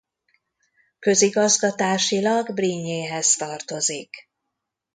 Közigazgatásilag Brinjéhez tartozik.